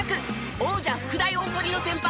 王者福大大濠の先輩